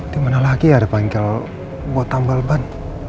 dimana lagi ya ada bengkel buat tambal ban